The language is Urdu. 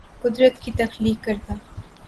قدرت کی تخلیق کردہ